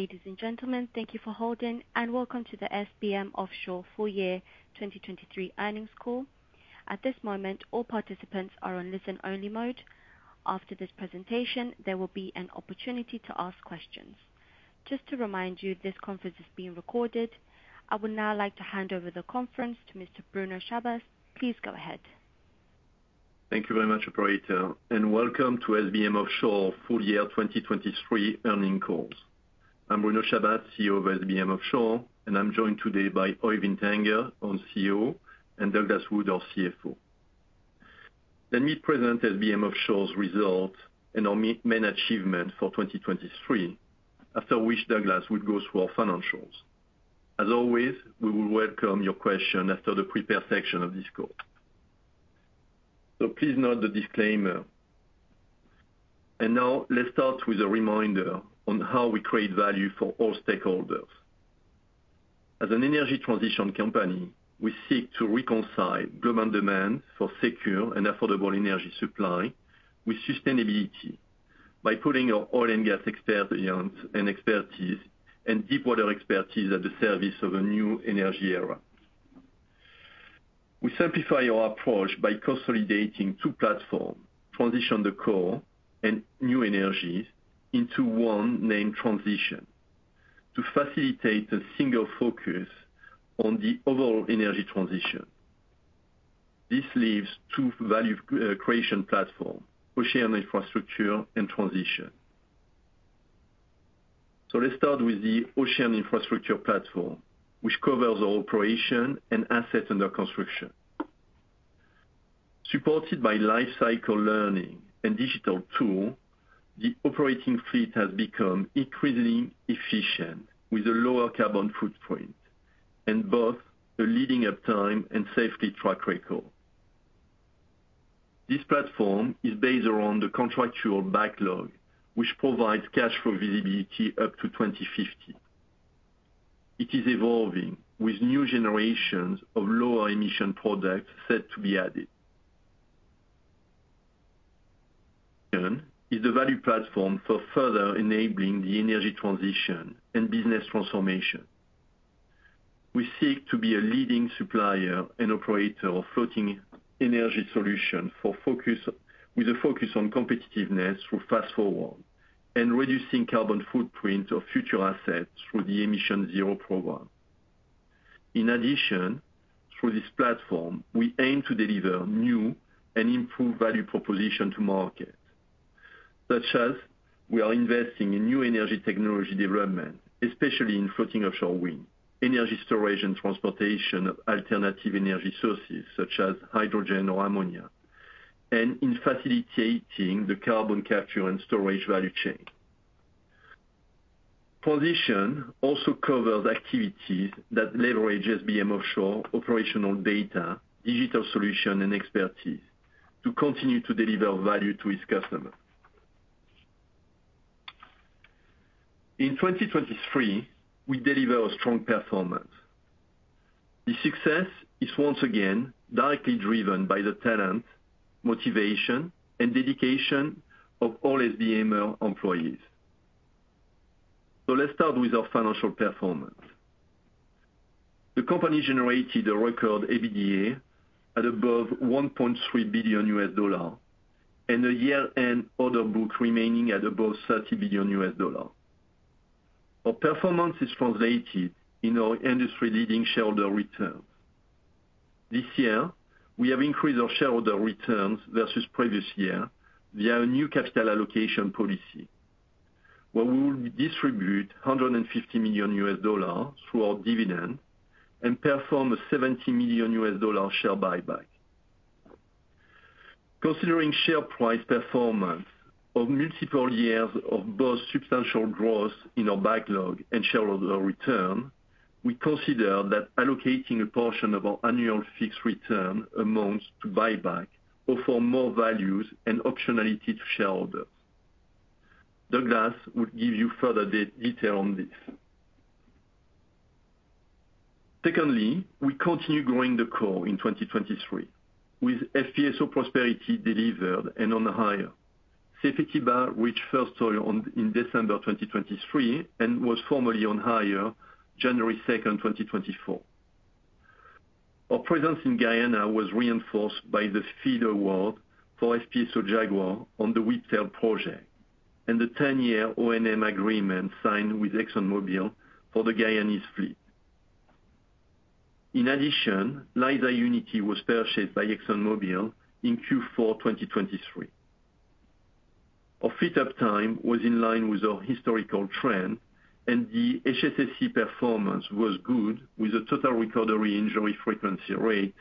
Ladies and gentlemen, thank you for holding, and welcome to the SBM Offshore full-year 2023 earnings call. At this moment, all participants are on listen-only mode. After this presentation, there will be an opportunity to ask questions. Just to remind you, this conference is being recorded. I would now like to hand over the conference to Mr. Bruno Chabas. Please go ahead. Thank you very much, Operator, and welcome to SBM Offshore full-year 2023 earnings calls. I'm Bruno Chabas, CEO of SBM Offshore, and I'm joined today by Øivind Tangen, our COO, and Douglas Wood, our CFO. Let me present SBM Offshore's results and our main achievement for 2023, after which Douglas would go through our financials. As always, we will welcome your question after the prepare section of this call. So please note the disclaimer. And now, let's start with a reminder on how we create value for all stakeholders. As an energy transition company, we seek to reconcile global demand for secure and affordable energy supply with sustainability by pulling our oil and gas experience and expertise and deep-water expertise at the service of a new energy era. We simplify our approach by consolidating two platforms, Transition the Core and New Energies, into one named Transition, to facilitate a single focus on the overall energy transition. This leaves two value creation platforms, Ocean Infrastructure and Transition. So let's start with the Ocean Infrastructure platform, which covers our operation and assets under construction. Supported by lifecycle learning and digital tools, the operating fleet has become increasingly efficient with a lower carbon footprint and both a leading uptime and safety track record. This platform is based around the contractual backlog, which provides cash flow visibility up to 2050. It is evolving with new generations of lower-emission products set to be added. Transition is the value platform for further enabling the energy transition and business transformation. We seek to be a leading supplier and operator of floating energy solutions with a focus on competitiveness through Fast4Ward and reducing carbon footprint of future assets through the emissionZERO program. In addition, through this platform, we aim to deliver new and improved value propositions to market, such as we are investing in new energy technology development, especially in floating offshore wind, energy storage and transportation of alternative energy sources such as hydrogen or ammonia, and in facilitating the carbon capture and storage value chain. Transition also covers activities that leverage SBM Offshore operational data, digital solutions, and expertise to continue to deliver value to its customers. In 2023, we deliver a strong performance. The success is once again directly driven by the talent, motivation, and dedication of all SBM employees. So let's start with our financial performance. The company generated a record EBITDA at above $1.3 billion and a year-end order book remaining at above $30 billion. Our performance is translated in our industry-leading shareholder returns. This year, we have increased our shareholder returns versus previous year via a new capital allocation policy, where we will distribute $150 million through our dividend and perform a $70 million share buyback. Considering share price performance of multiple years of both substantial growth in our backlog and shareholder return, we consider that allocating a portion of our annual fixed return amounts to buyback offers more values and optionality to shareholders. Douglas would give you further detail on this. Secondly, we continue growing the core in 2023 with FPSO Prosperity delivered and on hire. Safely reached first oil in December 2023 and was formally on hire 2 January, 2024. Our presence in Guyana was reinforced by the FEED Award for FPSO Jaguar on the Whiptail project and the 10-year O&M agreement signed with ExxonMobil for the Guyanese fleet. In addition, Liza Unity was purchased by ExxonMobil in Q4 2023. Our fit-up time was in line with our historical trend, and the HSSE performance was good with a total recordable injury frequency rate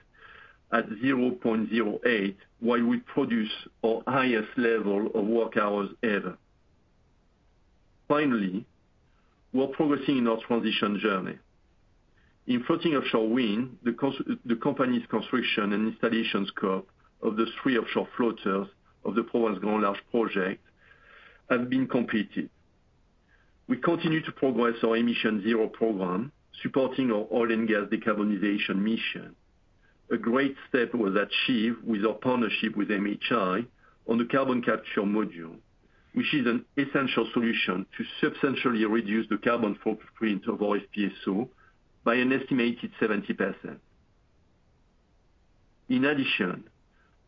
at 0.08, while we produce our highest level of work hours ever. Finally, we're progressing in our transition journey. In floating offshore wind, the company's construction and installation scope of the three offshore floaters of the Provence Grand Large project have been completed. We continue to progress our emissionZERO program, supporting our oil and gas decarbonization mission. A great step was achieved with our partnership with MHI on the carbon capture module, which is an essential solution to substantially reduce the carbon footprint of our FPSO by an estimated 70%. In addition,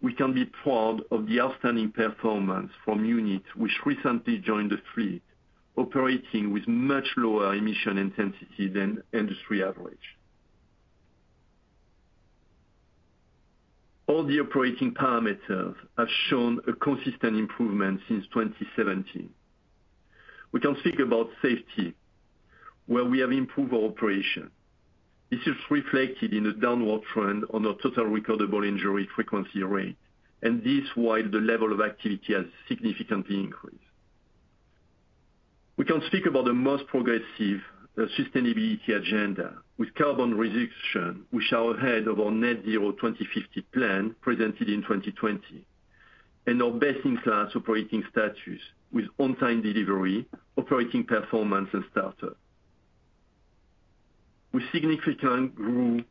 we can be proud of the outstanding performance from UNIT, which recently joined the fleet, operating with much lower emission intensity than industry average. All the operating parameters have shown a consistent improvement since 2017. We can speak about safety, where we have improved our operation. This is reflected in a downward trend on our total recoverable injury frequency rate, and this while the level of activity has significantly increased. We can speak about the most progressive sustainability agenda, with carbon reduction, which is ahead of our net-zero 2050 plan presented in 2020, and our best-in-class operating status with on-time delivery, operating performance, and startups. We significantly grew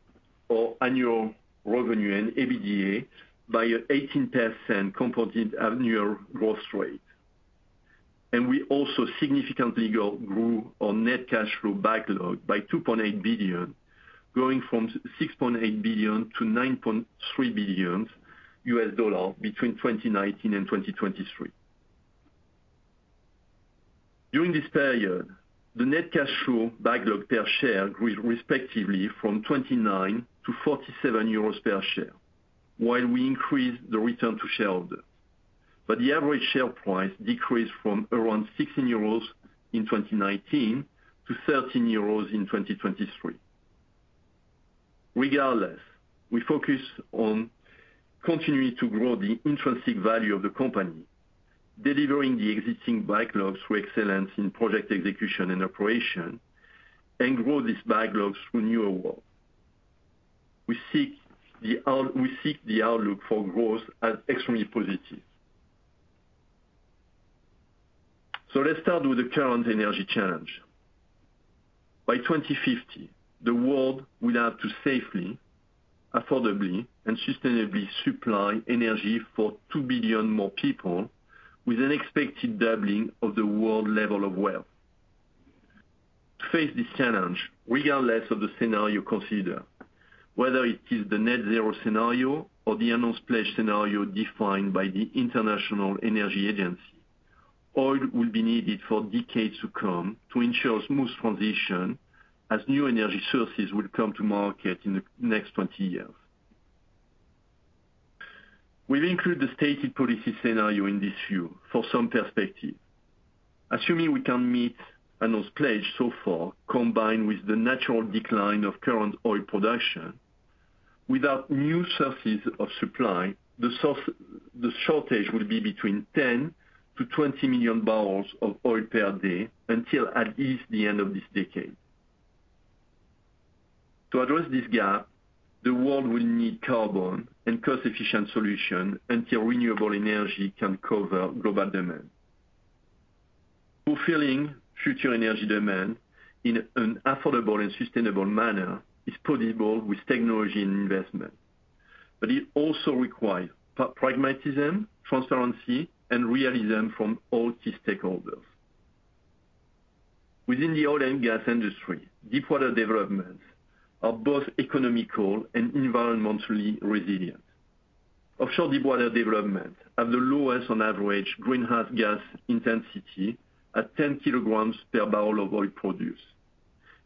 our annual revenue in EBITDA by 18% compared to annual growth rate. We also significantly grew our net cash flow backlog by $2.8 billion, going from $6.8 to 9.3 billion between 2019 and 2023. During this period, the net cash flow backlog per share grew respectively from 29 to 47 per share, while we increased the return to shareholders. The average share price decreased from around 16 euros in 2019 to 13 euros in 2023. Regardless, we focus on continuing to grow the intrinsic value of the company, delivering the existing backlogs through excellence in project execution and operation, and grow this backlog through new awards. We seek the outlook for growth as extremely positive. Let's start with the current energy challenge. By 2050, the world will have to safely, affordably, and sustainably supply energy for 2 billion more people with an expected doubling of the world level of wealth. To face this challenge, regardless of the scenario considered, whether it is the net-zero scenario or the unabated scenario defined by the International Energy Agency, oil will be needed for decades to come to ensure smooth transition as new energy sources will come to market in the next 20 years. We've included the stated policy scenario in this view for some perspective. Assuming we can meet an unabated so far combined with the natural decline of current oil production, without new sources of supply, the shortage will be between 10 to 20 million barrels of oil per day until at least the end of this decade. To address this gap, the world will need carbon and cost-efficient solutions until renewable energy can cover global demand. Fulfilling future energy demand in an affordable and sustainable manner is possible with technology and investment, but it also requires pragmatism, transparency, and realism from all key stakeholders. Within the oil and gas industry, deep-water developments are both economical and environmentally resilient. Offshore deep-water developments have the lowest on average greenhouse gas intensity at 10 kilograms per barrel of oil produced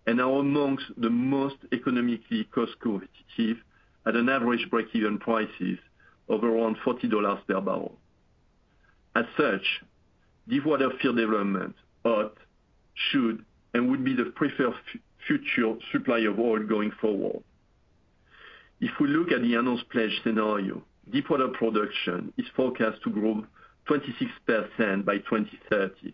and are amongst the most economically cost-competitive at an average break-even prices of around $40 per barrel. As such, deep-water field development ought, should, and would be the preferred future supply of oil going forward. If we look at the stated policies scenario, deep-water production is forecast to grow 26% by 2030.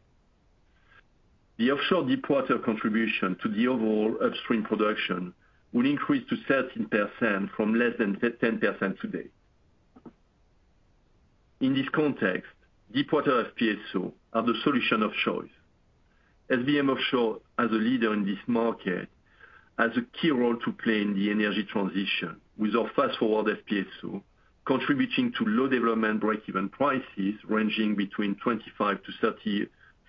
The offshore deep-water contribution to the overall upstream production will increase to 13% from less than 10% today. In this context, deep-water FPSOs are the solution of choice. SBM Offshore, as a leader in this market, has a key role to play in the energy transition with our Fast4Ward FPSO contributing to low development break-even prices ranging between $25 to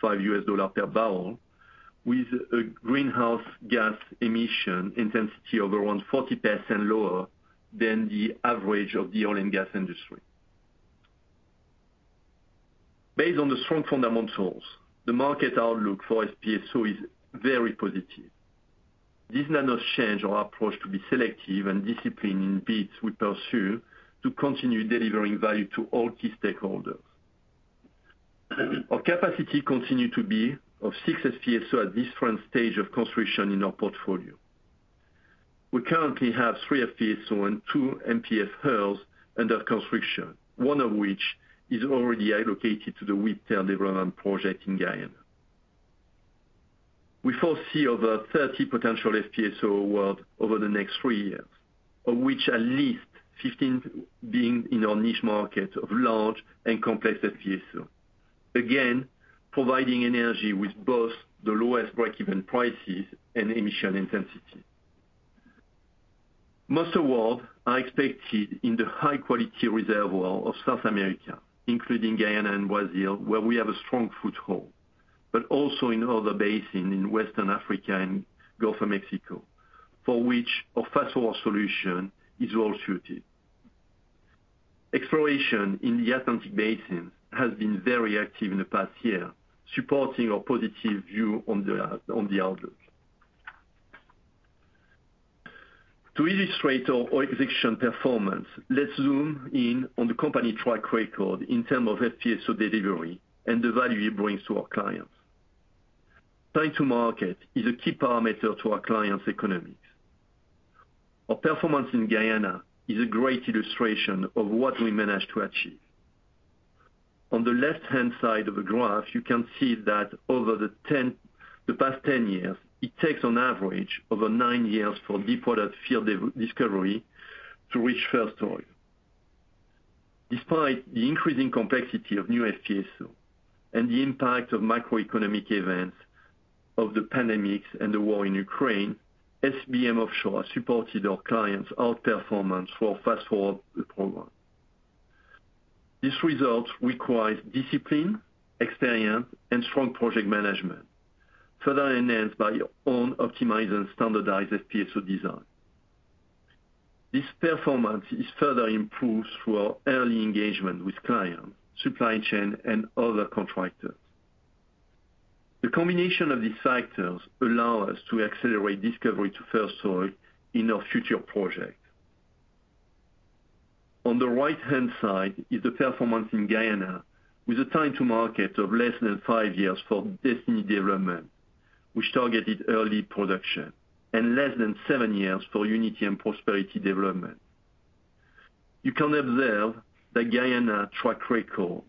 35 per barrel, with a greenhouse gas emission intensity of around 40% lower than the average of the oil and gas industry. Based on the strong fundamentals, the market outlook for FPSO is very positive. This does change our approach to be selective and disciplined in bids we pursue to continue delivering value to all key stakeholders. Our capacity continues to be of six FPSOs at this current stage of construction in our portfolio. We currently have three FPSOs and two MPF hulls under construction, one of which is already allocated to the Whiptail development project in Guyana. We foresee over 30 potential FPSO awards over the next three years, of which at least 15 being in our niche market of large and complex FPSO, again, providing energy with both the lowest break-even prices and emission intensity. Most awards are expected in the high-quality reservoir of South America, including Guyana and Brazil, where we have a strong foothold, but also in other basins in Western Africa and Gulf of Mexico, for which our fast-forward solution is well suited. Exploration in the Atlantic basins has been very active in the past year, supporting our positive view on the outlook. To illustrate our execution performance, let's zoom in on the company track record in terms of FPSO delivery and the value it brings to our clients. Time to market is a key parameter to our clients' economics. Our performance in Guyana is a great illustration of what we managed to achieve. On the left-hand side of the graph, you can see that over the past 10 years, it takes on average over nine years for deep-water field discovery to reach first oil. Despite the increasing complexity of new FPSO and the impact of macroeconomic events of the pandemics and the war in Ukraine, SBM Offshore has supported our clients' outperformance for our fast-forward program. These results require discipline, experience, and strong project management, further enhanced by our own optimized and standardized FPSO design. This performance is further improved through our early engagement with clients, supply chain, and other contractors. The combination of these factors allows us to accelerate discovery to first oil in our future projects. On the right-hand side is the performance in Guyana with a time to market of less than 5 years for Destiny development, which targeted early production, and less than 7 years for UNIT and Prosperity development. You can observe that Guyana track record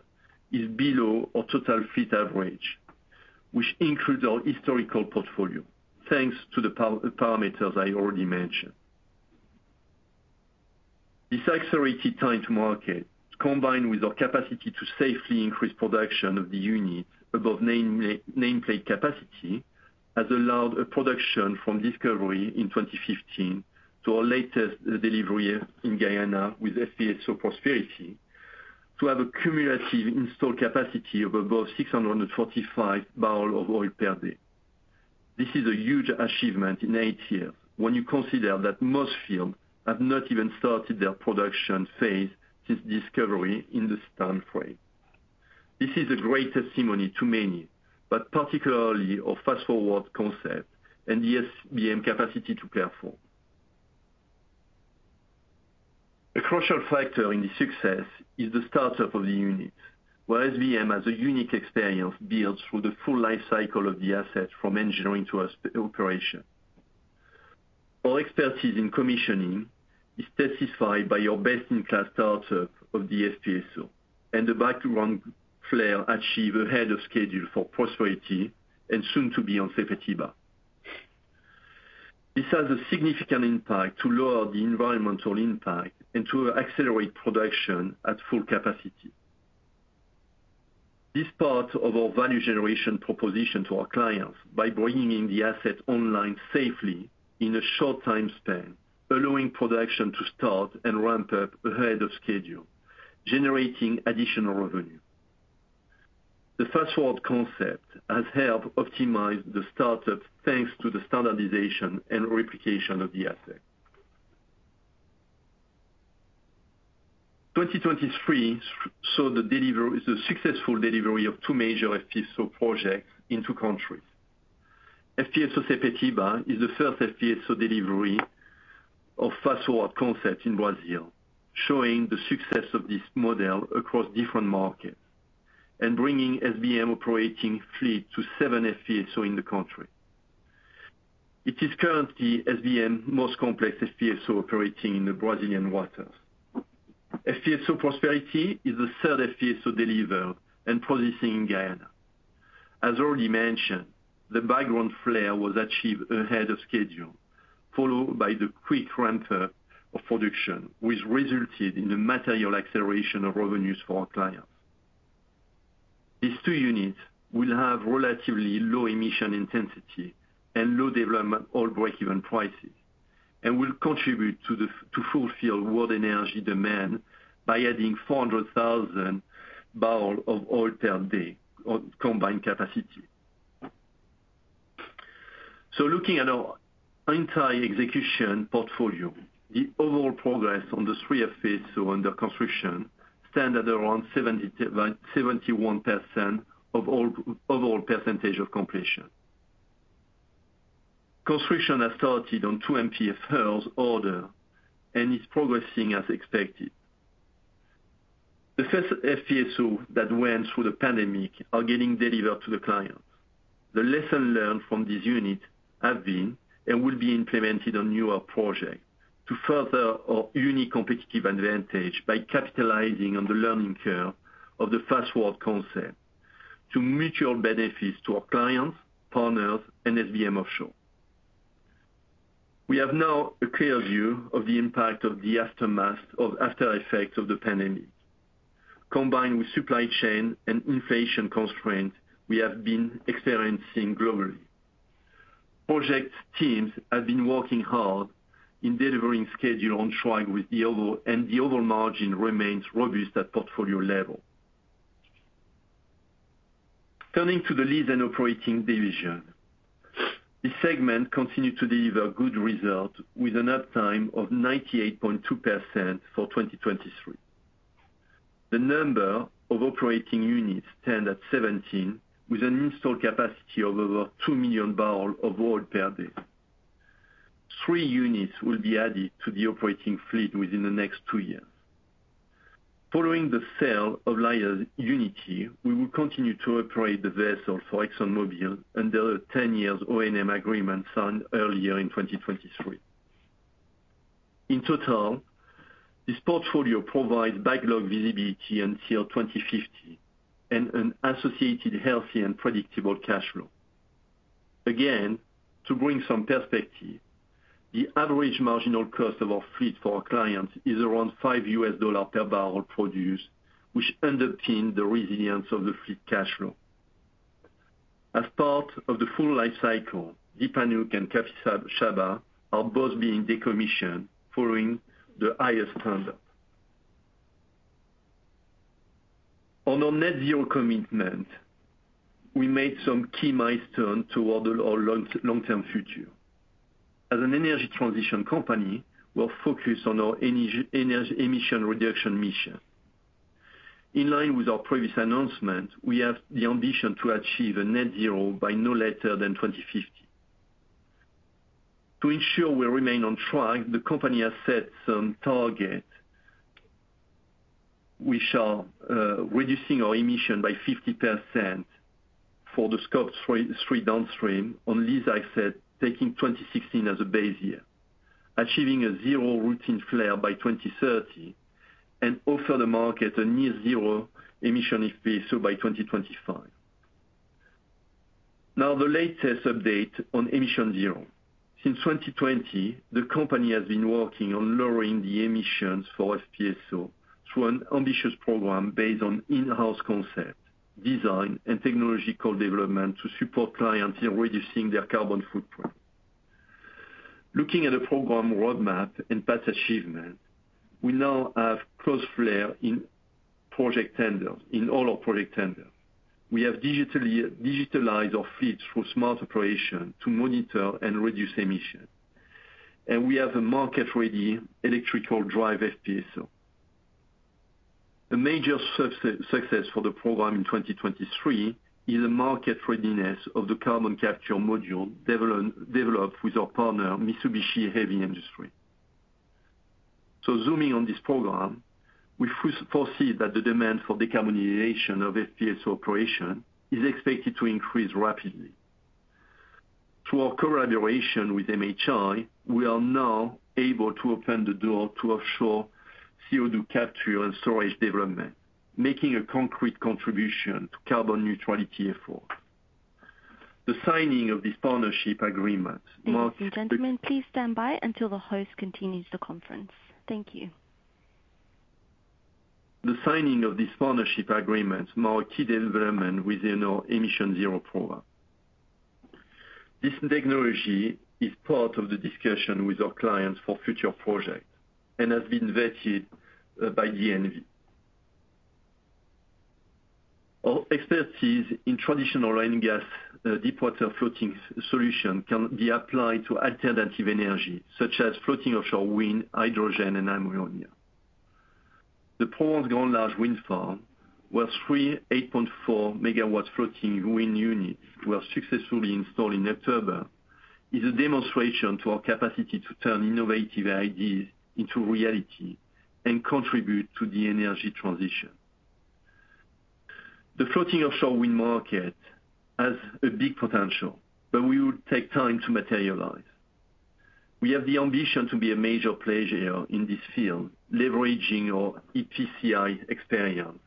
is below our total fleet average, which includes our historical portfolio thanks to the parameters I already mentioned. This accelerated time to market, combined with our capacity to safely increase production of the UNIT above nameplate capacity, has allowed production from discovery in 2015 to our latest delivery in Guyana with FPSO Prosperity to have a cumulative installed capacity of above 645 barrels of oil per day. This is a huge achievement in 8 years when you consider that most fields have not even started their production phase since discovery in the same timeframe. This is a great testimony to many, but particularly our fast-forward concept and the SBM capacity to perform. A crucial factor in the success is the startup of the unit, where SBM has a unique experience built through the full lifecycle of the asset from engineering to operation. Our expertise in commissioning is testified by our best-in-class startup of the FPSO and the first flare achieved ahead of schedule for Prosperity and soon to be on Sepetiba. This has a significant impact to lower the environmental impact and to accelerate production at full capacity. This part of our value generation proposition to our clients by bringing the asset online safely in a short time span, allowing production to start and ramp up ahead of schedule, generating additional revenue. The fast-forward concept has helped optimize the startup thanks to the standardization and replication of the asset. 2023 saw the successful delivery of two major FPSO projects in two countries. FPSO Almirante Tamandaré is the first FPSO delivery of Fast4Ward® concept in Brazil, showing the success of this model across different markets and bringing SBM operating fleet to seven FPSOs in the country. It is currently SBM's most complex FPSO operating in the Brazilian waters. FPSO Prosperity is the third FPSO delivered and processing in Guyana. As already mentioned, the first oil was achieved ahead of schedule, followed by the quick ramp-up of production, which resulted in a material acceleration of revenues for our clients. These two units will have relatively low emission intensity and low development oil break-even prices and will contribute to fulfill world energy demand by adding 400,000 barrels of oil per day combined capacity. So looking at our entire execution portfolio, the overall progress on the three FPSOs under construction stands at around 71% of overall percentage of completion. Construction has started on two MPF hulls ordered and is progressing as expected. The first FPSO that went through the pandemic are getting delivered to the clients. The lesson learned from this unit has been and will be implemented on newer projects to further our unique competitive advantage by capitalizing on the learning curve of the Fast4Ward concept to mutual benefits to our clients, partners, and SBM Offshore. We have now a clear view of the impact of the aftermath of aftereffects of the pandemic. Combined with supply chain and inflation constraints we have been experiencing globally, project teams have been working hard in delivering schedule on track and the overall margin remains robust at portfolio level. Turning to the Lease and Operate segment, this segment continued to deliver good results with an uptime of 98.2% for 2023. The number of operating units stands at 17 with an installed capacity of over 2 million barrels of oil per day. Three units will be added to the operating fleet within the next two years. Following the sale of Liza Unity, we will continue to operate the vessel for ExxonMobil under a 10-year O&M agreement signed earlier in 2023. In total, this portfolio provides backlog visibility until 2050 and an associated healthy and predictable cash flow. Again, to bring some perspective, the average marginal cost of our fleet for our clients is around $5 per barrel produced, which underpins the resilience of the fleet cash flow. As part of the full lifecycle, Deep Panuke and Espadarte are both being decommissioned following the highest standards. On our net-zero commitment, we made some key milestones toward our long-term future. As an energy transition company, we're focused on our emission reduction mission. In line with our previous announcement, we have the ambition to achieve a net-zero by no later than 2050. To ensure we remain on track, the company has set some targets, which are reducing our emission by 50% for the scope three downstream on lease asset taking 2016 as a base year, achieving a zero routine flair by 2030, and offer the market a near-zero emission FPSO by 2025. Now, the latest update on emission zero. Since 2020, the company has been working on lowering the emissions for FPSO through an ambitious program based on in-house concept, design, and technological development to support clients in reducing their carbon footprint. Looking at the program roadmap and past achievements, we now have low flare in all our project tenders. We have digitalized our fleet through smart operation to monitor and reduce emissions. We have a market-ready electrical drive FPSO. A major success for the program in 2023 is the market readiness of the carbon capture module developed with our partner, Mitsubishi Heavy Industries. Zooming on this program, we foresee that the demand for decarbonization of FPSO operation is expected to increase rapidly. Through our collaboration with MHI, we are now able to open the door to offshore CO2 capture and storage development, making a concrete contribution to carbon neutrality efforts. The signing of this partnership agreement marked. Ladies and gentlemen, please stand by until the host continues the conference. Thank you. The signing of this partnership agreement marks key development within our emission zero program. This technology is part of the discussion with our clients for future projects and has been vetted by DNV. Our expertise in traditional oil and gas deep-water floating solutions can be applied to alternative energy such as floating offshore wind, hydrogen, and ammonia. The Provence Grand Large wind farm, where three 8.4-MW floating wind units were successfully installed in October, is a demonstration to our capacity to turn innovative ideas into reality and contribute to the energy transition. The floating offshore wind market has a big potential, but we will take time to materialize. We have the ambition to be a major player in this field leveraging our EPCI experience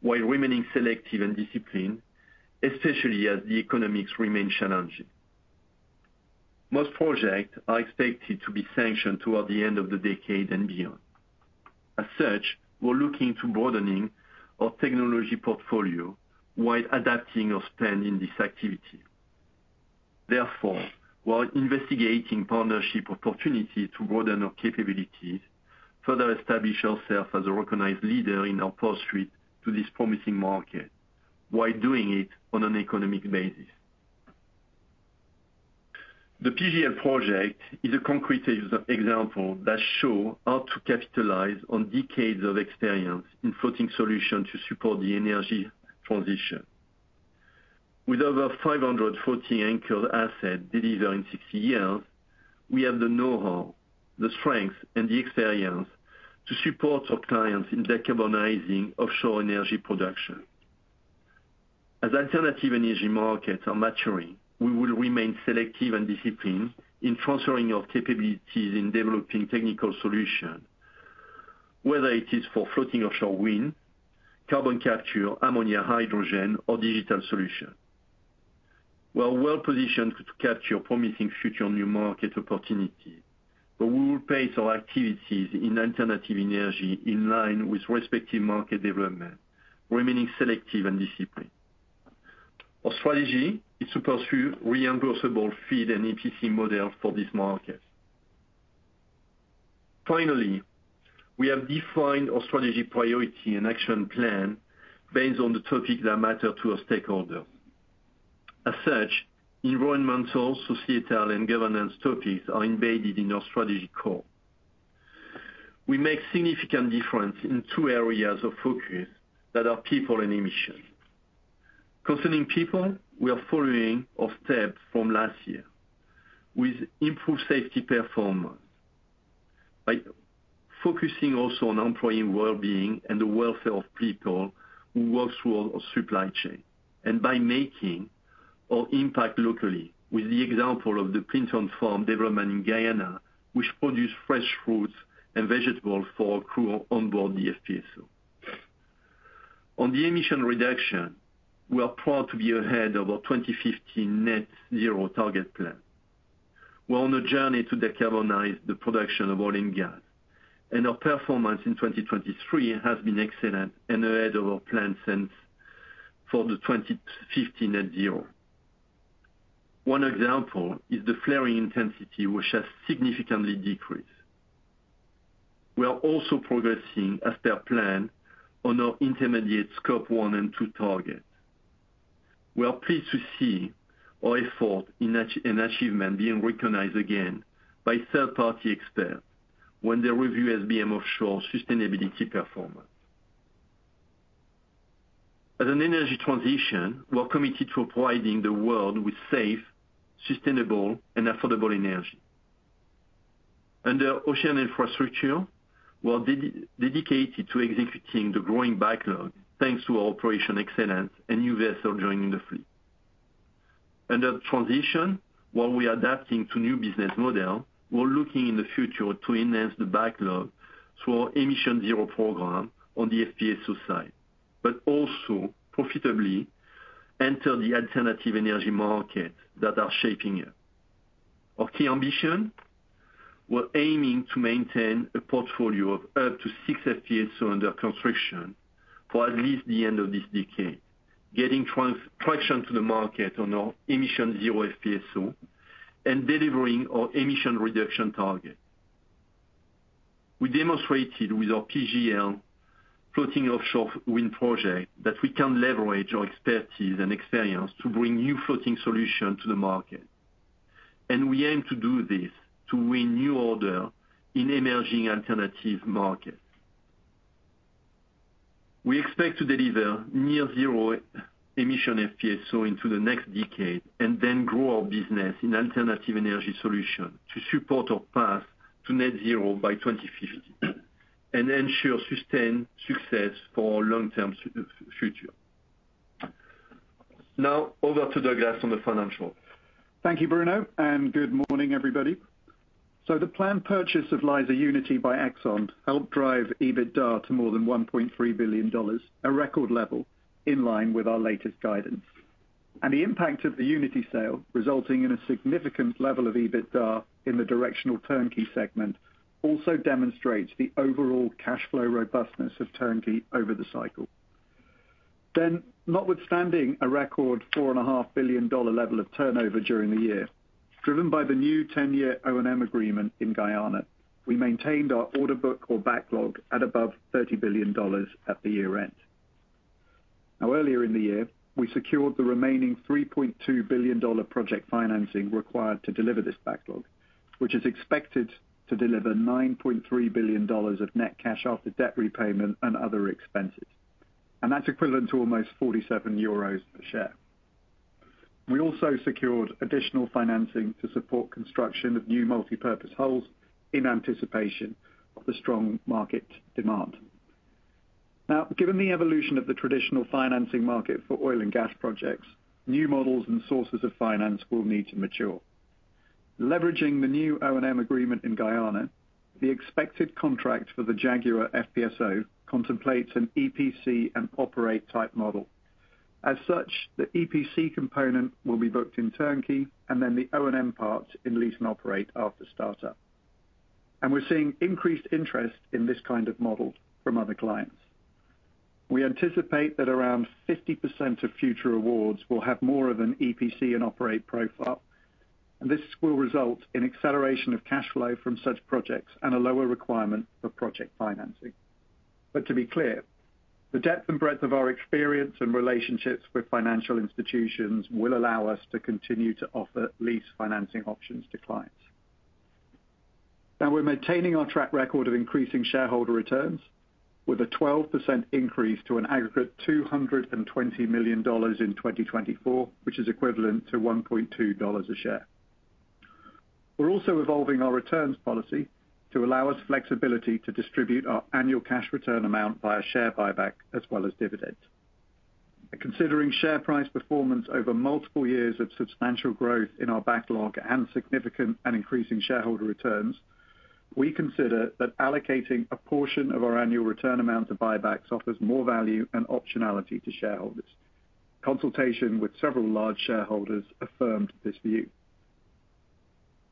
while remaining selective and disciplined, especially as the economics remain challenging. Most projects are expected to be sanctioned toward the end of the decade and beyond. As such, we're looking to broadening our technology portfolio while adapting our spend in this activity. Therefore, while investigating partnership opportunities to broaden our capabilities, further establish ourselves as a recognized leader in our pursuit to this promising market while doing it on an economic basis. The PGL project is a concrete example that shows how to capitalize on decades of experience in floating solutions to support the energy transition. With over 540 anchored assets delivered in 60 years, we have the know-how, the strengths, and the experience to support our clients in decarbonizing offshore energy production. As alternative energy markets are maturing, we will remain selective and disciplined in transferring our capabilities in developing technical solutions, whether it is for floating offshore wind, carbon capture, ammonia, hydrogen, or digital solutions. We're well positioned to capture promising future new market opportunities, but we will place our activities in alternative energy in line with respective market development, remaining selective and disciplined. Our strategy is to pursue reimbursable FEED and EPC model for this market. Finally, we have defined our strategy priority and action plan based on the topics that matter to our stakeholders. As such, environmental, societal, and governance topics are embedded in our strategy core. We make significant difference in two areas of focus that are people and emissions. Concerning people, we are following our steps from last year with improved safety performance by focusing also on employee well-being and the welfare of people who work toward our supply chain and by making our impact locally with the example of the Plympton Farms development in Guyana, which produces fresh fruits and vegetables for our crew onboard the FPSO. On the emission reduction, we are proud to be ahead of our 2050 net-zero target plan. We're on a journey to decarbonize the production of oil and gas, and our performance in 2023 has been excellent and ahead of our plans for the 2050 net-zero. One example is the flaring intensity, which has significantly decreased. We are also progressing as per plan on our intermediate scope one and two targets. We are pleased to see our effort and achievement being recognized again by third-party experts when they review SBM Offshore's sustainability performance. As an energy transition, we're committed to providing the world with safe, sustainable, and affordable energy. Under ocean infrastructure, we're dedicated to executing the growing backlog thanks to our operational excellence and new vessels joining the fleet. Under transition, while we're adapting to new business models, we're looking in the future to enhance the backlog through our emission zero program on the FPSO side, but also profitably enter the alternative energy markets that are shaping up. Our key ambition? We're aiming to maintain a portfolio of up to six FPSO under construction for at least the end of this decade, getting traction to the market on our emission zero FPSO, and delivering our emission reduction targets. We demonstrated with our PGL floating offshore wind project that we can leverage our expertise and experience to bring new floating solutions to the market. We aim to do this to win new order in emerging alternative markets. We expect to deliver near-zero emission FPSO into the next decade and then grow our business in alternative energy solutions to support our path to net-zero by 2050 and ensure sustained success for our long-term future. Now, over to Douglas on the financials. Thank you, Bruno, and good morning, everybody. So the planned purchase of Liza Unity by ExxonMobil helped drive EBITDA to more than $1.3 billion, a record level in line with our latest guidance. And the impact of the Unity sale, resulting in a significant level of EBITDA in the Turnkey segment, also demonstrates the overall cash flow robustness of turnkey over the cycle. Then, notwithstanding a record $4.5 billion level of turnover during the year, driven by the new 10-year O&M agreement in Guyana, we maintained our order book or backlog at above $30 billion at the year-end. Now, earlier in the year, we secured the remaining $3.2 billion project financing required to deliver this backlog, which is expected to deliver $9.3 billion of net cash after debt repayment and other expenses. And that's equivalent to almost 47 euros per share. We also secured additional financing to support construction of new multipurpose hulls in anticipation of the strong market demand. Now, given the evolution of the traditional financing market for oil and gas projects, new models and sources of finance will need to mature. Leveraging the new O&M agreement in Guyana, the expected contract for the FPSO Jaguar contemplates an EPC and operate type model. As such, the EPC component will be booked in turnkey, and then the O&M parts in lease and operate after startup. And we're seeing increased interest in this kind of model from other clients. We anticipate that around 50% of future awards will have more of an EPC and operate profile, and this will result in acceleration of cash flow from such projects and a lower requirement for project financing. But to be clear, the depth and breadth of our experience and relationships with financial institutions will allow us to continue to offer lease financing options to clients. Now, we're maintaining our track record of increasing shareholder returns with a 12% increase to an aggregate $220 million in 2024, which is equivalent to $1.2 a share. We're also evolving our returns policy to allow us flexibility to distribute our annual cash return amount via share buyback as well as dividends. Considering share price performance over multiple years of substantial growth in our backlog and significant and increasing shareholder returns, we consider that allocating a portion of our annual return amount to buybacks offers more value and optionality to shareholders. Consultation with several large shareholders affirmed this view.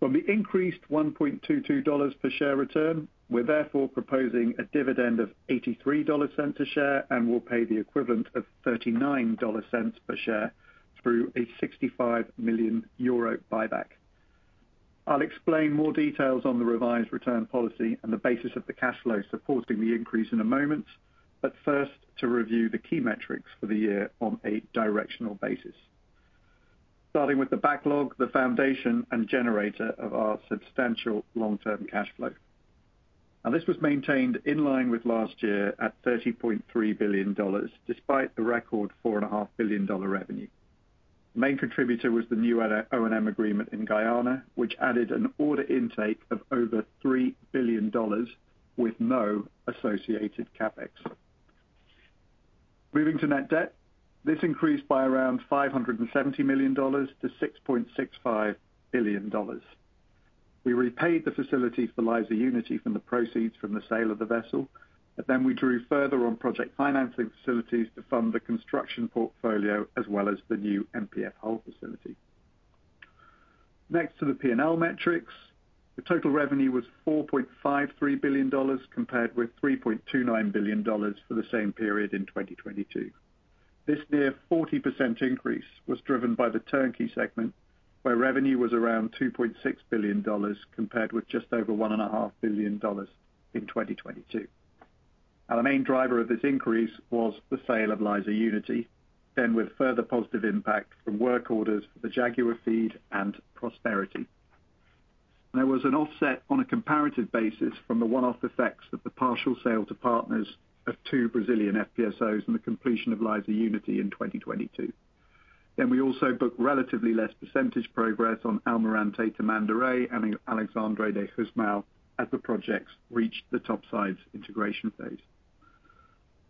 From the increased $1.22 per share return, we're therefore proposing a dividend of $0.83 per share and will pay the equivalent of $0.39 per share through a 65 million euro buyback. I'll explain more details on the revised return policy and the basis of the cash flow supporting the increase in a moment, but first to review the key metrics for the year on a directional basis. Starting with the backlog, the foundation and generator of our substantial long-term cash flow. Now, this was maintained in line with last year at $30.3 billion despite the record $4.5 billion revenue. The main contributor was the new O&M agreement in Guyana, which added an order intake of over $3 billion with no associated CapEx. Moving to net debt, this increased by around $570 million to $6.65 billion. We repaid the facilities for Liza Unity from the proceeds from the sale of the vessel, but then we drew further on project financing facilities to fund the construction portfolio as well as the new MPF hull facility. Next to the P&L metrics, the total revenue was $4.53 billion compared with $3.29 billion for the same period in 2022. This near 40% increase was driven by the Turnkey segment where revenue was around $2.6 billion compared with just over $1.5 billion in 2022. Now, the main driver of this increase was the sale of Liza Unity, then with further positive impact from work orders for the Jaguar FEED and Prosperity. There was an offset on a comparative basis from the one-off effects of the partial sale to partners of two Brazilian FPSOs and the completion of Liza Unity in 2022. Then we also booked relatively less percentage progress on Almirante Tamandaré and Alexandre de Gusmão as the projects reached the topsides integration phase.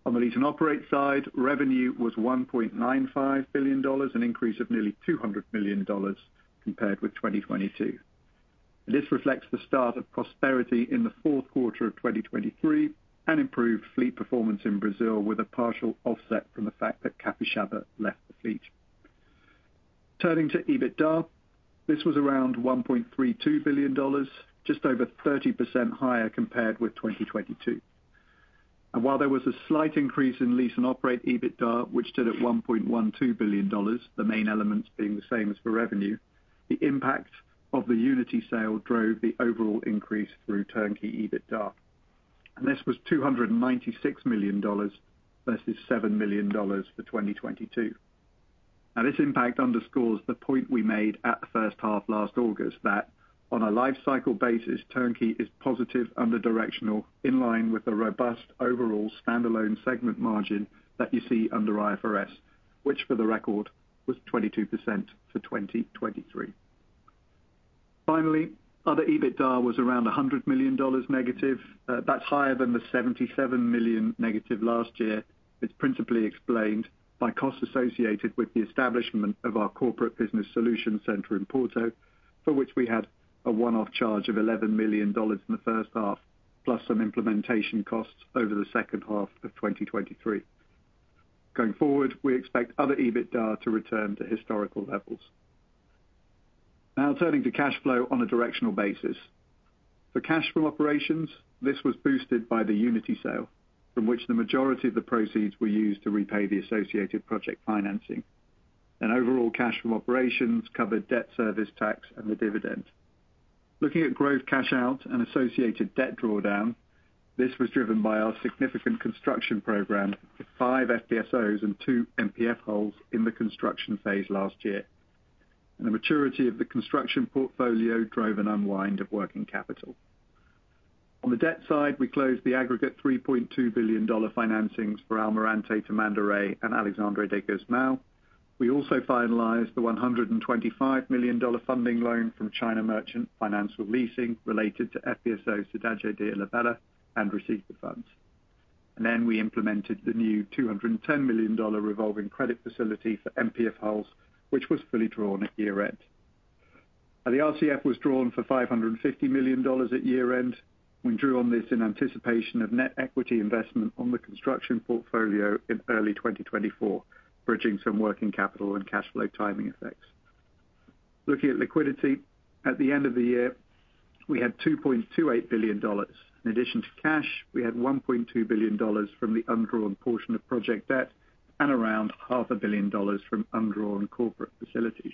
On the lease and operate side, revenue was $1.95 billion, an increase of nearly $200 million compared with 2022. This reflects the start of Prosperity in Q4 of 2023 and improved fleet performance in Brazil with a partial offset from the fact that Capixaba left the fleet. Turning to EBITDA, this was around $1.32 billion, just over 30% higher compared with 2022. And while there was a slight increase in lease and operate EBITDA, which stood at $1.12 billion, the main elements being the same as for revenue, the impact of the Unity sale drove the overall increase through turnkey EBITDA. And this was $296 versus 7 million for 2022. Now, this impact underscores the point we made at the first half last August that on a lifecycle basis, turnkey is positive directionally in line with the robust overall standalone segment margin that you see under IFRS, which for the record was 22% for 2023. Finally, other EBITDA was around $100 million negative. That's higher than the $77 million negative last year. It's principally explained by costs associated with the establishment of our corporate business solution center in Porto, for which we had a one-off charge of $11 million in the first half plus some implementation costs over the second half of 2023. Going forward, we expect other EBITDA to return to historical levels. Now, turning to cash flow on a directional basis. For cash from operations, this was boosted by the Unity sale, from which the majority of the proceeds were used to repay the associated project financing. Overall cash from operations covered debt service, tax, and the dividend. Looking at growth cash out and associated debt drawdown, this was driven by our significant construction program for five FPSOs and two MPF hulls in the construction phase last year. The maturity of the construction portfolio drove an unwind of working capital. On the debt side, we closed the aggregate $3.2 billion financings for Almirante Tamandaré and Alexandre de Gusmão. We also finalized the $125 million funding loan from China Merchant Financial Leasing related to FPSO Cidade de Ilhabela and received the funds. Then we implemented the new $210 million revolving credit facility for MPF hulls, which was fully drawn at year-end. Now, the RCF was drawn for $550 million at year-end. We drew on this in anticipation of net equity investment on the construction portfolio in early 2024, bridging some working capital and cash flow timing effects. Looking at liquidity, at the end of the year, we had $2.28 billion. In addition to cash, we had $1.2 billion from the undrawn portion of project debt and around $500 million from undrawn corporate facilities.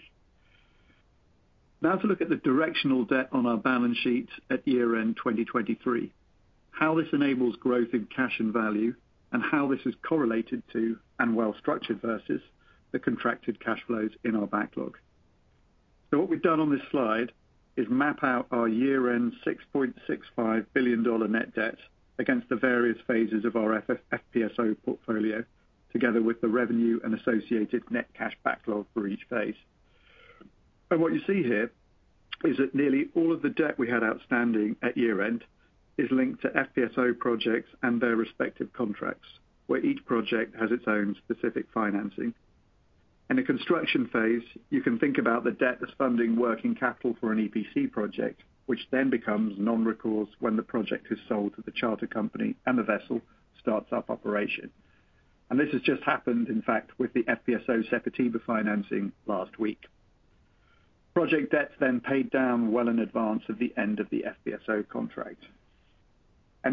Now, to look at the directional debt on our balance sheet at year-end 2023, how this enables growth in cash and value and how this is correlated to and well-structured versus the contracted cash flows in our backlog. So what we've done on this slide is map out our year-end $6.65 billion net debt against the various phases of our FPSO portfolio together with the revenue and associated net cash backlog for each phase. What you see here is that nearly all of the debt we had outstanding at year-end is linked to FPSO projects and their respective contracts, where each project has its own specific financing. In the construction phase, you can think about the debt as funding working capital for an EPC project, which then becomes non-recourse when the project is sold to the charter company and the vessel starts up operation. This has just happened, in fact, with the FPSO Sepetiba financing last week. Project debt's then paid down well in advance of the end of the FPSO contract.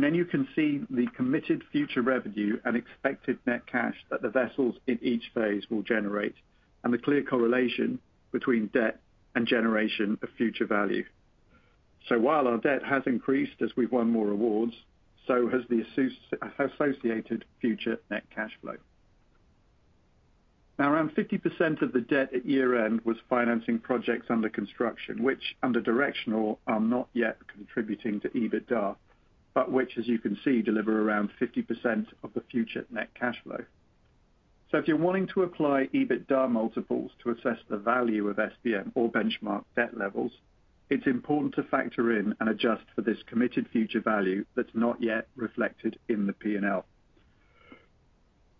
Then you can see the committed future revenue and expected net cash that the vessels in each phase will generate and the clear correlation between debt and generation of future value. So while our debt has increased as we've won more awards, so has the associated future net cash flow. Now, around 50% of the debt at year-end was financing projects under construction, which under directional are not yet contributing to EBITDA, but which, as you can see, deliver around 50% of the future net cash flow. So if you're wanting to apply EBITDA multiples to assess the value of SBM or benchmark debt levels, it's important to factor in and adjust for this committed future value that's not yet reflected in the P&L.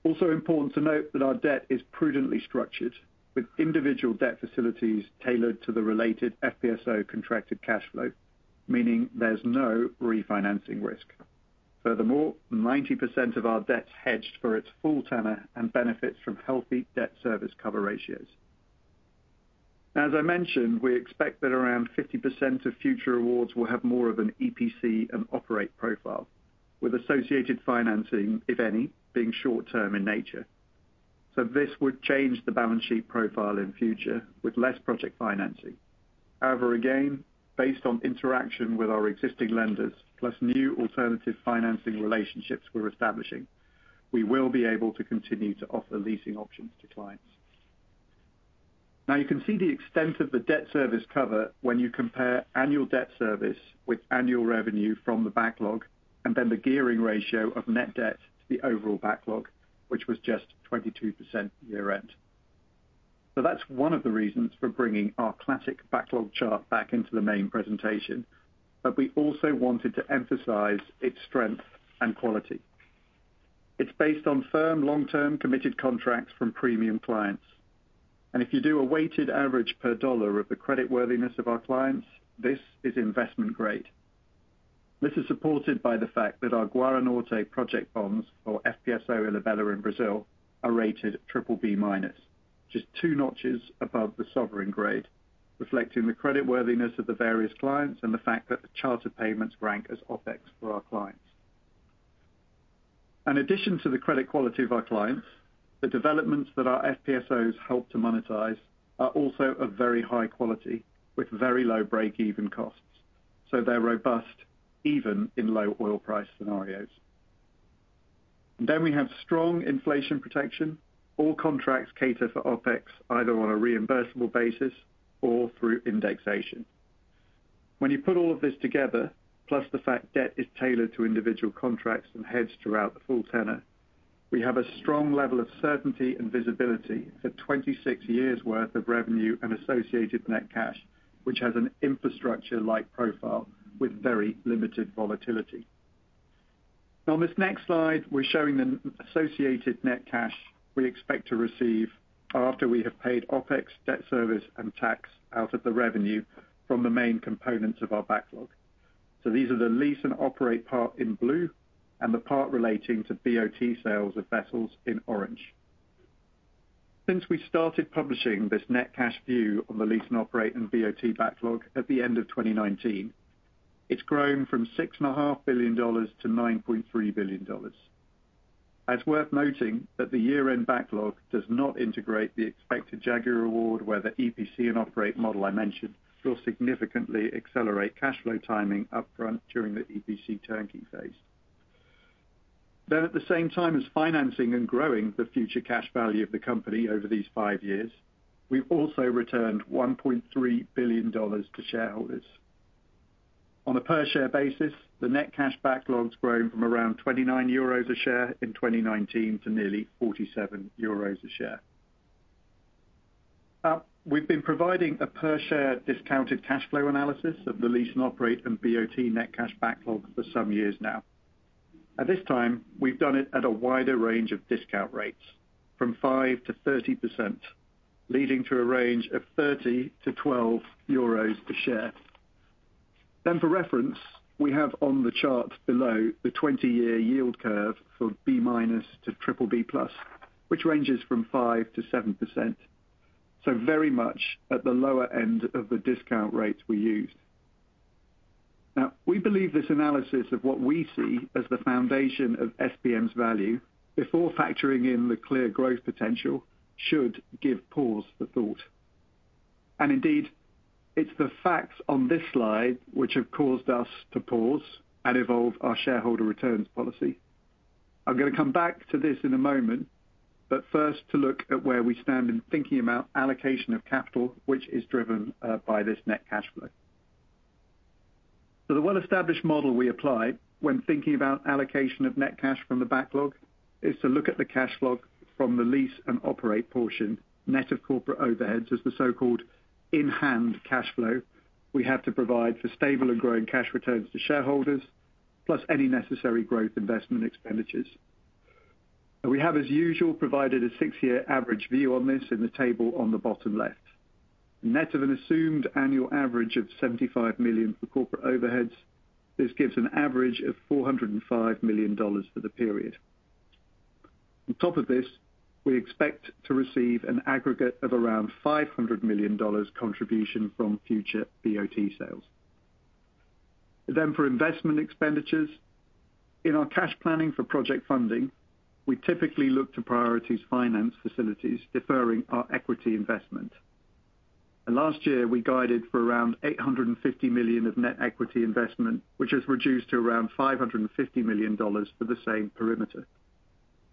Also important to note that our debt is prudently structured with individual debt facilities tailored to the related FPSO contracted cash flow, meaning there's no refinancing risk. Furthermore, 90% of our debt's hedged for its full tenor and benefits from healthy debt service cover ratios. Now, as I mentioned, we expect that around 50% of future awards will have more of an EPC and operate profile with associated financing, if any, being short-term in nature. So this would change the balance sheet profile in future with less project financing. However, again, based on interaction with our existing lenders plus new alternative financing relationships we're establishing, we will be able to continue to offer leasing options to clients. Now, you can see the extent of the debt service cover when you compare annual debt service with annual revenue from the backlog and then the gearing ratio of net debt to the overall backlog, which was just 22% year-end. So that's one of the reasons for bringing our classic backlog chart back into the main presentation. But we also wanted to emphasize its strength and quality. It's based on firm long-term committed contracts from premium clients. If you do a weighted average per dollar of the creditworthiness of our clients, this is investment grade. This is supported by the fact that our Guara Norte project bonds for FPSO Cidade de Ilhabela in Brazil are rated BBB minus, just two notches above the sovereign grade, reflecting the creditworthiness of the various clients and the fact that the charter payments rank as OpEx for our clients. In addition to the credit quality of our clients, the developments that our FPSOs help to monetize are also of very high quality with very low break-even costs. So they're robust even in low oil price scenarios. And then we have strong inflation protection. All contracts cater for OpEx either on a reimbursable basis or through indexation. When you put all of this together, plus the fact debt is tailored to individual contracts and heads throughout the full tenor, we have a strong level of certainty and visibility for 26 years' worth of revenue and associated net cash, which has an infrastructure-like profile with very limited volatility. Now, on this next slide, we're showing the associated net cash we expect to receive after we have paid OpEx, debt service, and tax out of the revenue from the main components of our backlog. So these are the lease and operate part in blue and the part relating to BOT sales of vessels in orange. Since we started publishing this net cash view on the lease and operate and BOT backlog at the end of 2019, it's grown from $6.5 to 9.3 billion. It's worth noting that the year-end backlog does not integrate the expected Jaguar award where the EPC and operate model I mentioned will significantly accelerate cash flow timing upfront during the EPC turnkey phase. Then, at the same time as financing and growing the future cash value of the company over these five years, we've also returned $1.3 billion to shareholders. On a per-share basis, the net cash backlog's grown from around 29 euros a share in 2019 to nearly 47 euros a share. We've been providing a per-share discounted cash flow analysis of the lease and operate and BOT net cash backlog for some years now. At this time, we've done it at a wider range of discount rates from 5% to 30%, leading to a range of 30 to 12 a share. Then, for reference, we have on the chart below the 20-year yield curve for B minus to BBB plus, which ranges from 5% to 7%. So very much at the lower end of the discount rate we used. Now, we believe this analysis of what we see as the foundation of SBM's value before factoring in the clear growth potential should give pause for thought. And indeed, it's the facts on this slide which have caused us to pause and evolve our shareholder returns policy. I'm going to come back to this in a moment, but first to look at where we stand in thinking about allocation of capital, which is driven by this net cash flow. The well-established model we apply when thinking about allocation of net cash from the backlog is to look at the cash flow from the lease and operate portion, net of corporate overheads as the so-called in-hand cash flow we have to provide for stable and growing cash returns to shareholders plus any necessary growth investment expenditures. We have, as usual, provided a six-year average view on this in the table on the bottom left. Net of an assumed annual average of $75 million for corporate overheads, this gives an average of $405 million for the period. On top of this, we expect to receive an aggregate of around $500 million contribution from future BOT sales. For investment expenditures, in our cash planning for project funding, we typically look to priorities finance facilities deferring our equity investment. Last year, we guided for around $850 million of net equity investment, which has reduced to around $550 million for the same perimeter.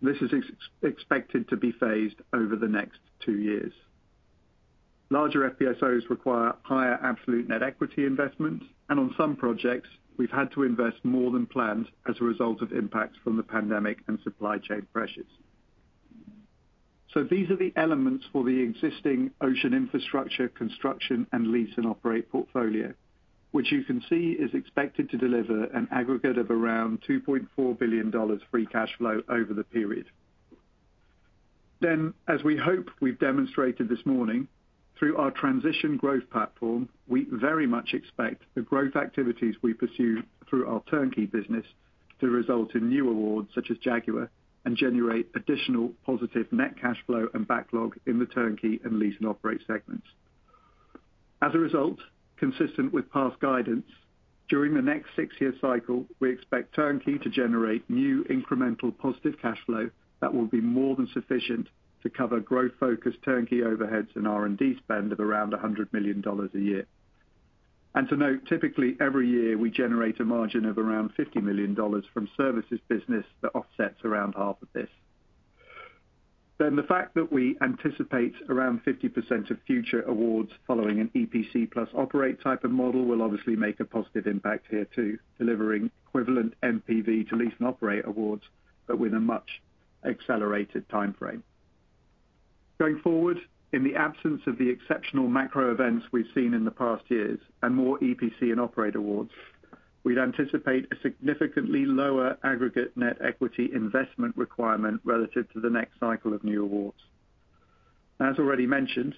This is expected to be phased over the next two years. Larger FPSOs require higher absolute net equity investment. On some projects, we've had to invest more than planned as a result of impacts from the pandemic and supply chain pressures. These are the elements for the existing ocean infrastructure construction and lease and operate portfolio, which you can see is expected to deliver an aggregate of around $2.4 billion free cash flow over the period. Then, as we hope we've demonstrated this morning, through our transition growth platform, we very much expect the growth activities we pursue through our turnkey business to result in new awards such as Jaguar and generate additional positive net cash flow and backlog in the turnkey and lease and operate segments. As a result, consistent with past guidance, during the next six-year cycle, we expect turnkey to generate new incremental positive cash flow that will be more than sufficient to cover growth-focused turnkey overheads and R&D spend of around $100 million a year. And to note, typically, every year, we generate a margin of around $50 million from services business that offsets around half of this. The fact that we anticipate around 50% of future awards following an EPC plus operate type of model will obviously make a positive impact here too, delivering equivalent MPV to lease and operate awards but with a much accelerated timeframe. Going forward, in the absence of the exceptional macro events we've seen in the past years and more EPC and operate awards, we'd anticipate a significantly lower aggregate net equity investment requirement relative to the next cycle of new awards. As already mentioned,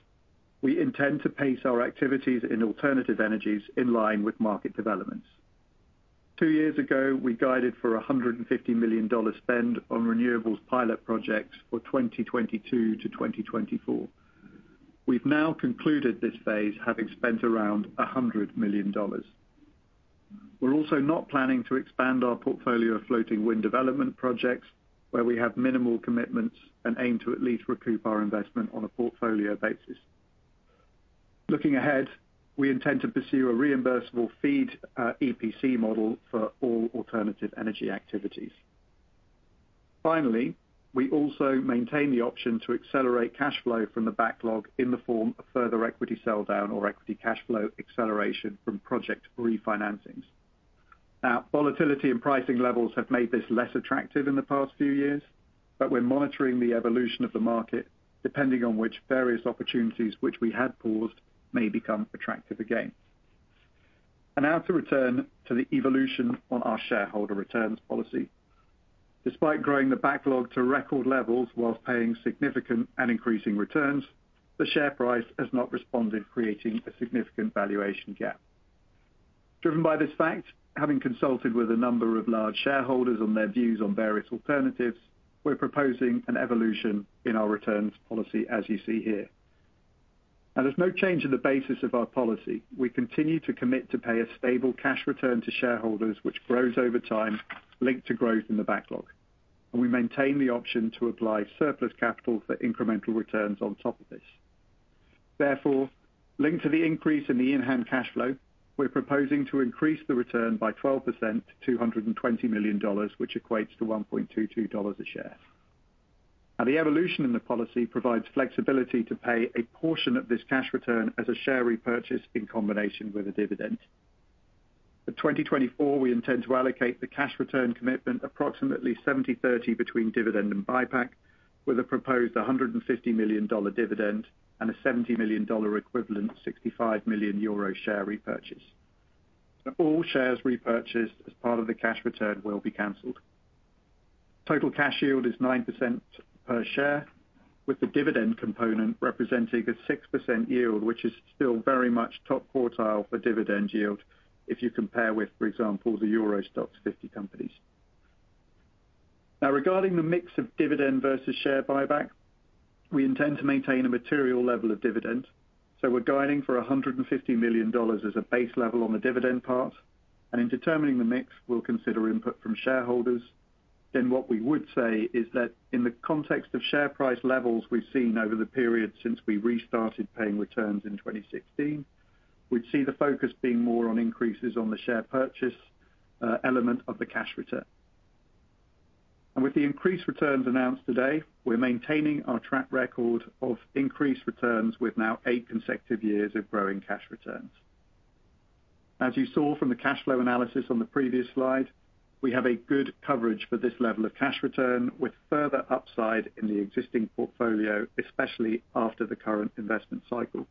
we intend to pace our activities in alternative energies in line with market developments. Two years ago, we guided for $150 million spend on renewables pilot projects for 2022 to 2024. We've now concluded this phase having spent around $100 million. We're also not planning to expand our portfolio of floating wind development projects where we have minimal commitments and aim to at least recoup our investment on a portfolio basis. Looking ahead, we intend to pursue a reimbursable FEED EPC model for all alternative energy activities. Finally, we also maintain the option to accelerate cash flow from the backlog in the form of further equity sell-down or equity cash flow acceleration from project refinancings. Now, volatility and pricing levels have made this less attractive in the past few years, but we're monitoring the evolution of the market depending on which various opportunities which we had paused may become attractive again. And now to return to the evolution on our shareholder returns policy. Despite growing the backlog to record levels while paying significant and increasing returns, the share price has not responded, creating a significant valuation gap. Driven by this fact, having consulted with a number of large shareholders on their views on various alternatives, we're proposing an evolution in our returns policy, as you see here. Now, there's no change in the basis of our policy. We continue to commit to pay a stable cash return to shareholders which grows over time linked to growth in the backlog. We maintain the option to apply surplus capital for incremental returns on top of this. Therefore, linked to the increase in the in-hand cash flow, we're proposing to increase the return by 12% to $220 million, which equates to $1.22 a share. Now, the evolution in the policy provides flexibility to pay a portion of this cash return as a share repurchase in combination with a dividend. For 2024, we intend to allocate the cash return commitment approximately 70/30 between dividend and buyback with a proposed $150 million dividend and a $70 million equivalent 65 million euro share repurchase. All shares repurchased as part of the cash return will be cancelled. Total cash yield is 9% per share, with the dividend component representing a 6% yield, which is still very much top quartile for dividend yield if you compare with, for example, the Euro Stoxx 50 companies. Now, regarding the mix of dividend versus share buyback, we intend to maintain a material level of dividend. So we're guiding for $150 million as a base level on the dividend part. And in determining the mix, we'll consider input from shareholders. Then what we would say is that in the context of share price levels we've seen over the period since we restarted paying returns in 2016, we'd see the focus being more on increases on the share purchase element of the cash return. With the increased returns announced today, we're maintaining our track record of increased returns with now eight consecutive years of growing cash returns. As you saw from the cash flow analysis on the previous slide, we have a good coverage for this level of cash return with further upside in the existing portfolio, especially after the current investment cycle.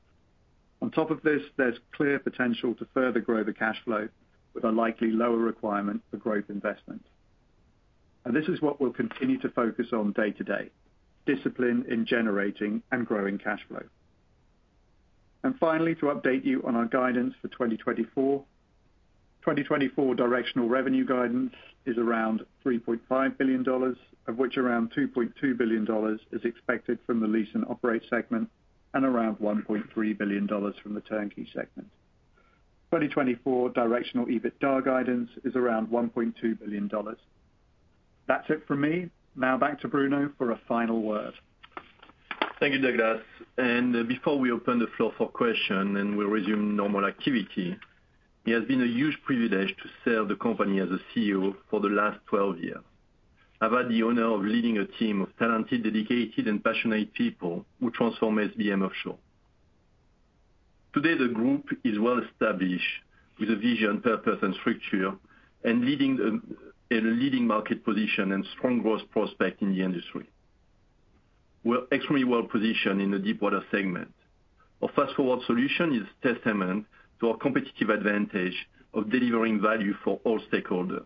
On top of this, there's clear potential to further grow the cash flow with a likely lower requirement for growth investment. This is what we'll continue to focus on day to day: discipline in generating and growing cash flow. Finally, to update you on our guidance for 2024, 2024 directional revenue guidance is around $3.5 billion, of which around $2.2 billion is expected from the Lease and Operate segment and around $1.3 billion from the Turnkey segment. 2024 directional EBITDA guidance is around $1.2 billion. That's it from me. Now back to Bruno for a final word. Thank you, Douglas. Before we open the floor for question and we resume normal activity, it has been a huge privilege to serve the company as a CEO for the last 12 years. I've had the honor of leading a team of talented, dedicated, and passionate people who transformed SBM Offshore. Today, the group is well-established with a vision, purpose, and structure and leading a leading market position and strong growth prospect in the industry. We're extremely well-positioned in the deep-water segment. Our fast-forward solution is a testament to our competitive advantage of delivering value for all stakeholders.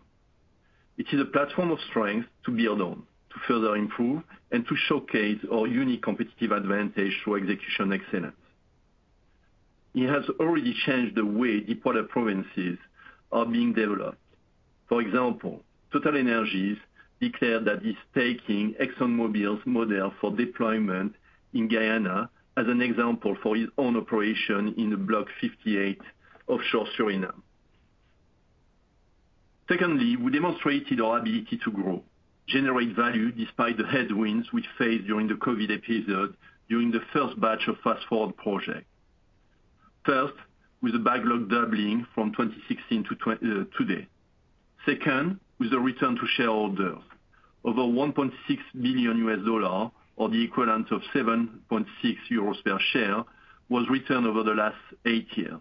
It is a platform of strength to build on, to further improve, and to showcase our unique competitive advantage through execution excellence. It has already changed the way deep-water provinces are being developed. For example, TotalEnergies declared that it's taking ExxonMobil's model for deployment in Guyana as an example for its own operation in Block 58 offshore Suriname. Secondly, we demonstrated our ability to grow, generate value despite the headwinds we faced during the COVID episode during the first batch of fast-forward projects. First, with the backlog doubling from 2016 to today. Second, with the return to shareholders. Over $1.6 billion or the equivalent of 7.6 euros per share was returned over the last eight years,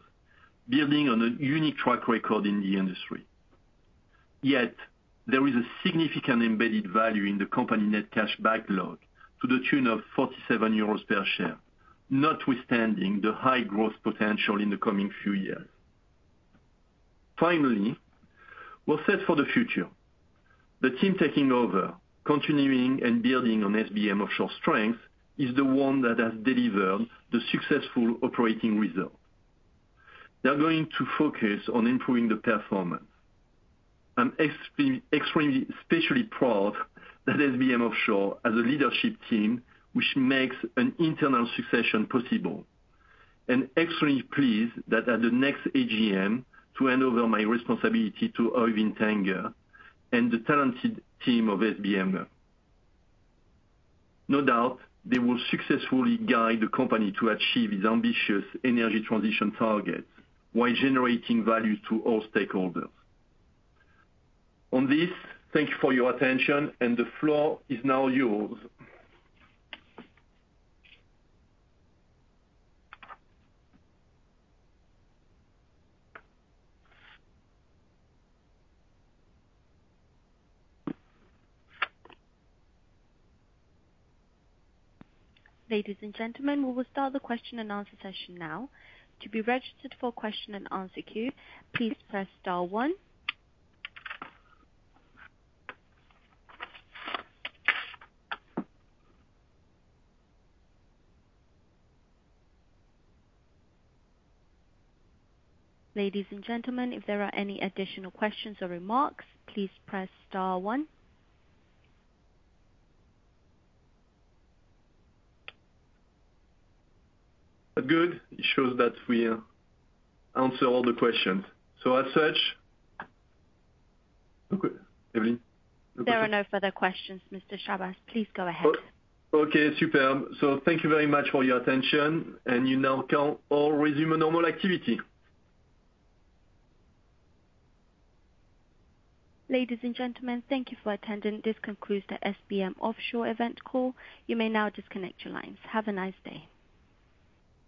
building on a unique track record in the industry. Yet, there is a significant embedded value in the company net cash backlog to the tune of 47 euros per share, notwithstanding the high growth potential in the coming few years. Finally, we're set for the future. The team taking over, continuing and building on SBM Offshore's strengths is the one that has delivered the successful operating result. They're going to focus on improving the performance. I'm especially proud that SBM Offshore has a leadership team which makes an internal succession possible. And extremely pleased that at the next AGM, to hand over my responsibility to Øivind Tangen and the talented team of SBM. No doubt, they will successfully guide the company to achieve its ambitious energy transition targets while generating value to all stakeholders. On this, thank you for your attention. And the floor is now yours. Ladies and gentlemen, we will start the question and answer session now. To be registered for question and answer queue, please press star one. Ladies and gentlemen, if there are any additional questions or remarks, please press star one. Good. It shows that we answered all the questions. So as such. Okay, Evelyn? There are no further questions, Mr. Chabas. Please go ahead. Okay. Superb. Thank you very much for your attention. You now can all resume normal activity. Ladies and gentlemen, thank you for attending. This concludes the SBM Offshore event call. You may now disconnect your lines. Have a nice day.